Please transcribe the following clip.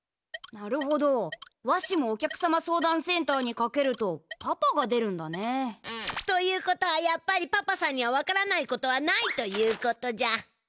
なるほどわしもお客様相談センターにかけるとパパが出るんだね。ということはやっぱりパパさんには分からないことはないということじゃ。